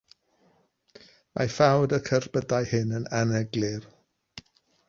Mae ffawd y cerbydau hyn yn aneglur.